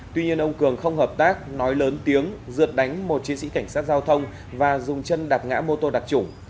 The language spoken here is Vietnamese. tuy nhiên ông cường không hợp tác nói lớn tiếng rượt đánh một chiến sĩ cảnh sát giao thông và dùng chân đạp ngã mô tô đặc trủng